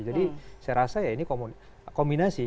jadi saya rasa ini kombinasi